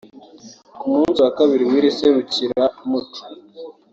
Ku munsi wa kabiri w’iri serukiramuco